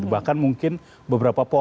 bahkan mungkin beberapa polanya juga